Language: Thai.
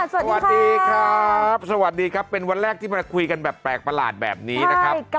สวัสดีครับสวัสดีครับเป็นวันแรกที่มาคุยกันแบบแปลกประหลาดแบบนี้นะครับ